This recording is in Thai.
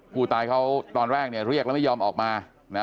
ผู้ตายเขาตอนแรกเรียกแล้วไม่ยอมออกมา